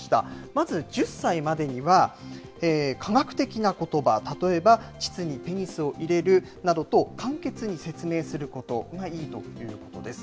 まず１０歳までには、科学的なことば、例えば、ちつにペニスを入れるなどと簡潔に説明することがいいということです。